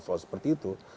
soal seperti itu